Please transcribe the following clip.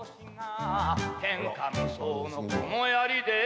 「天下無双のこのやりで」